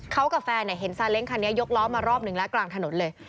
เขากับแฟนเห็นซาเล้งคันนี้ยกล้อมารอบหนึ่งแล้วกลางถนนเลย